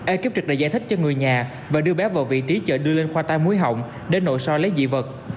ekip trực đã giải thích cho người nhà và đưa bé vào vị trí chợ đưa lên khoa tai muối hỏng để nội so lấy dị vật